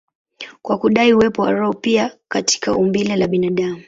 kwa kudai uwepo wa roho pia katika umbile la binadamu.